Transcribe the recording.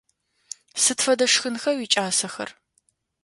Сыд фэдэ шхынха уикӏасэхэр?